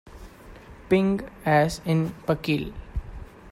Ping-as in Pakil.